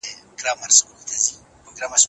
حلاله نفقه کور ته راوړئ.